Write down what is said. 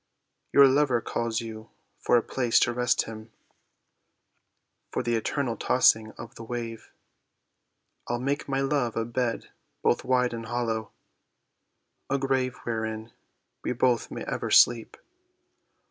"Your lover calls you for a place to rest him From the eternal tossing of the wave." "I'll make my love a bed both wide and hollow, A grave wherein we both may ever sleep."